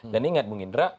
dan ingat bung indra